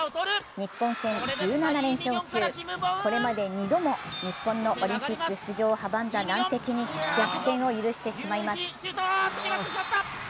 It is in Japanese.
日本戦１７連勝中、これまで２度も日本のオリンピック出場を阻んだ難敵に逆転を許してしまいます。